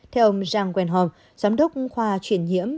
theo ông zhang wenhong giám đốc khoa truyền nhiễm